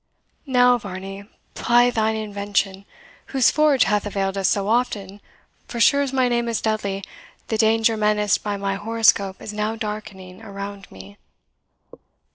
Now, Varney, ply thine invention, whose forge hath availed us so often for sure as my name is Dudley, the danger menaced by my horoscope is now darkening around me."